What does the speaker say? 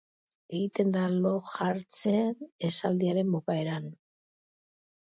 Egiten da lo jartzen esaldiaren bukaeran.